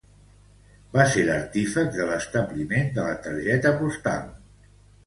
Va ser l'artífex de l'establiment de la targeta postal.